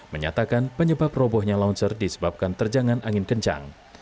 menyatakan penyebab robohnya longsor disebabkan terjangan angin kencang